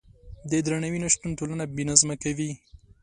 د درناوي نشتون ټولنه بې نظمه کوي.